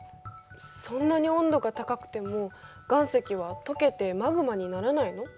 そんなに温度が高くても岩石はとけてマグマにならないの？